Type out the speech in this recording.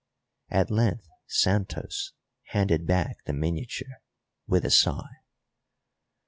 At length Santos handed back the miniature, with a sigh.